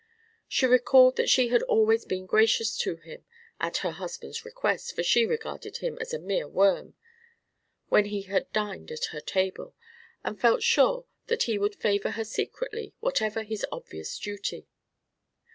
She recalled that she had always been gracious to him (at her husband's request, for she regarded him as a mere worm) when he had dined at her table, and felt sure that he would favour her secretly, whatever his obvious duty.